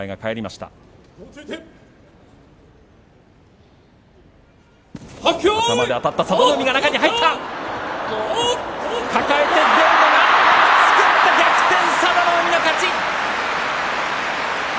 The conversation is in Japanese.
すくった、逆転佐田の海の勝ち。